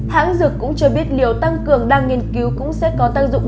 hãng dược cũng cho biết liều tăng cường đang nghiên cứu cũng sẽ có tác dụng